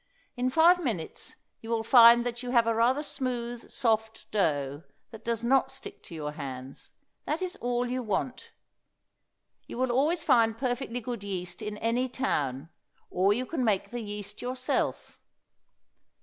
In five minutes you will find that you have a rather smooth, soft dough, that does not stick to your hands. That is all you want. You will always find perfectly good yeast in any town, or you can make the yeast yourself.